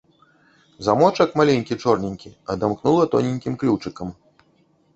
Замочак маленькі чорненькі адамкнула тоненькім ключыкам.